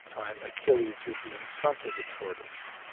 33 time Achilles would be in front of the tortoise.